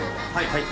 はい。